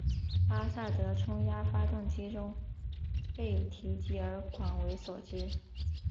巴萨德冲压发动机中被提及而广为所知。